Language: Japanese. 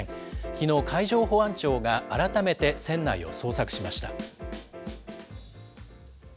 きのう、海上保安庁が改めて船内を捜索しました。